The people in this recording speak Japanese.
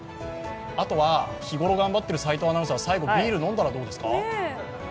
あとは日頃頑張っている齋藤アナウンサー、最後にビール飲んだらどうですか？